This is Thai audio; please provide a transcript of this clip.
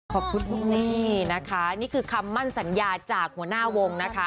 ขอบคุณนี่นะคะนี่คือคำมั่นสัญญาจากหัวหน้าวงนะคะ